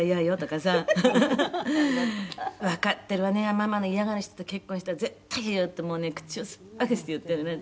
ママの嫌がる人と結婚したら絶対イヤよ”ってもうね口を酸っぱくして言ってる」